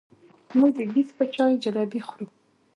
موږ د ګیځ په چای جلبۍ خورو.